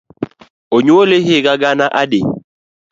Onyuoli higa gana adi?